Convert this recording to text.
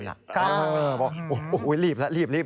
บอกโอ้โหรีบละรีบรีบ